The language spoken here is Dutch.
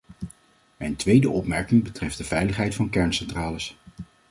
Mijn tweede opmerking betreft de veiligheid van kerncentrales.